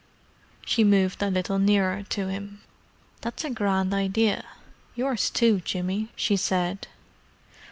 She moved a little nearer to him. "That's a grand idea—yours too, Jimmy," she said.